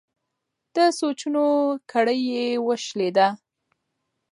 د سوچونو کړۍ یې وشلېده.